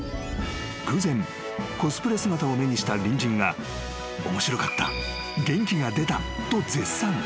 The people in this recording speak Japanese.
［偶然コスプレ姿を目にした隣人が「面白かった」「元気が出た」と絶賛］